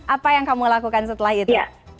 apa yang kamu lakukan setelah itu